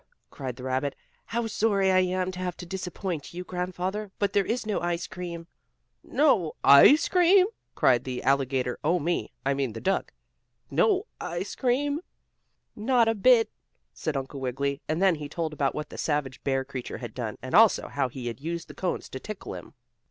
cried the rabbit. "How sorry I am to have to disappoint you, Grandfather, but there is no ice cream!" "No ice cream!" cried the alligator oh, dear me! I mean the duck. "No ice cream?" "Not a bit," said Uncle Wiggily, and then he told about what the savage bear creature had done, and also how he had used the cones to tickle him.